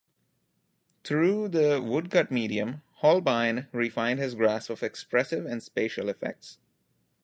Through the woodcut medium, Holbein refined his grasp of expressive and spatial effects.